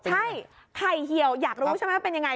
ใช่ไข่เหี่ยวอยากรู้ใช่ไหมว่าเป็นยังไง